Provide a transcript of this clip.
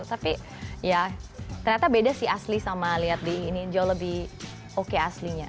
tapi ya ternyata beda sih asli sama lihat di ini jauh lebih oke aslinya